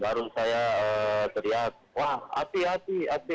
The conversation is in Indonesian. baru saya terlihat wah api api api